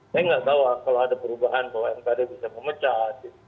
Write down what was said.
saya nggak tahu kalau ada perubahan bahwa mkd bisa memecat